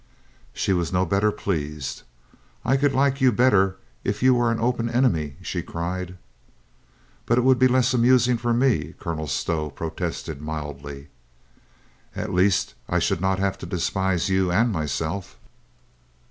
She was no better pleased. "I could like you better if you were an open enemy," she cried. "But it would be less amusing for me," Colonel Stow protested mildly. "At least I should not have to despise you and myself."